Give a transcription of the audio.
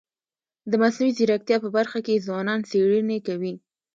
د مصنوعي ځیرکتیا په برخه کي ځوانان څېړني کوي.